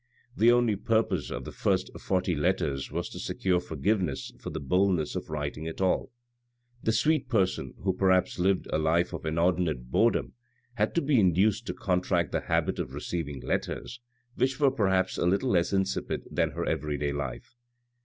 The only purpose of the first forty letters was to secure forgiveness for the bold ness of writing at all. The sweet person, who perhaps lived a life of inordinate boredom, had to be induced to contract the habit of receiving letters, which were perhaps a little less insipid that her everyday life.